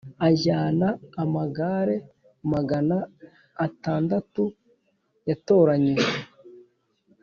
ajyana amagare magana atandatu yatoranyijwe,